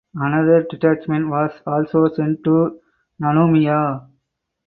Another detachment was also sent to Nanumea.